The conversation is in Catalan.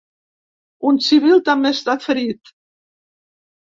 Un civil també ha estat ferit.